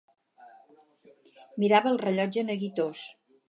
Mirava el rellotge neguitós